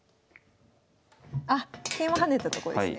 あっ桂馬跳ねたとこですね？